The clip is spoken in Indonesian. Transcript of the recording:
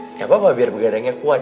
tidak apa apa biar begadangnya kuat